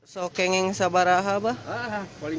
so kengeng sabaraha bapak